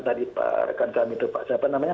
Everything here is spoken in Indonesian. tadi pak rekan sam itu pak siapa namanya